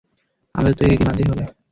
আমাদের তো এই রীতি মানতেই হবে।